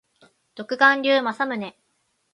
独眼竜政宗